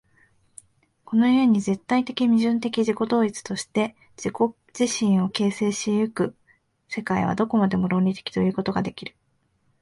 この故に絶対矛盾的自己同一として自己自身を形成し行く世界は、どこまでも論理的ということができる。